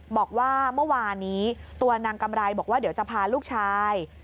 บอกว่าเมื่อวานนี้ตัวนางกำไรบอกว่าเดี๋ยวจะพาลูกชาย